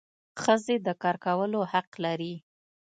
ښځي د کار کولو حق لري.